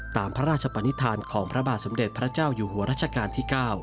ตามพระราชปนิษฐานของพระบาทสมเด็จพระเจ้าอยู่หัวรัชกาลที่๙